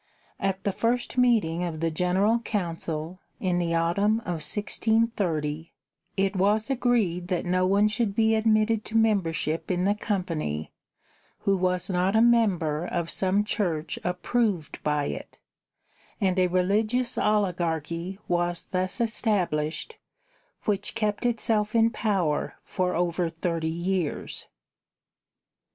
At the first meeting of the General Council, in the autumn of 1630, it was agreed that no one should be admitted to membership in the company who was not a member of some church approved by it, and a religious oligarchy was thus established which kept itself in power for over thirty years.